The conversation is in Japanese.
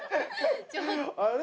あれ？